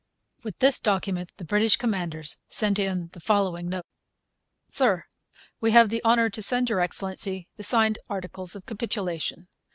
With this document the British commanders sent in the following note: SIR, We have the honour to send Your Excellency the signed articles of Capitulation.